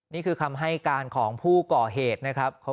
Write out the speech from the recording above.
นี่คือคำให้การของผู้ก่อเหตุนะครับ